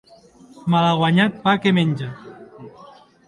Malaguanyat pa que menja!